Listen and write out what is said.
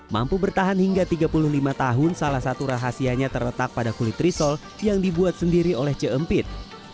mampu bertahan hingga tiga puluh lima tahun salah satu rahasianya terletak pada kulit risol yang dibuat sendiri oleh c empit